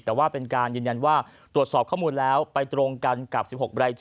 แต่ว่าเป็นการยืนยันว่าตรวจสอบข้อมูลแล้วไปตรงกันกับ๑๖รายชื่อ